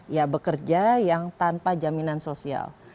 ya bekerja yang tanpa jaminan sosial